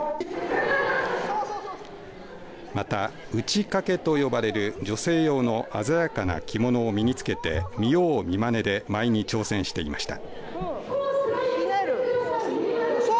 また、打掛と呼ばれる女性用の鮮やかな着物を身につけて見よう見まねで舞に挑戦していました。